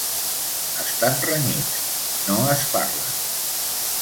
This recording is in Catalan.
Estan renyits: no es parlen.